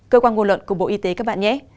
cơ quan ngôn luận của bộ y tế các bạn nhé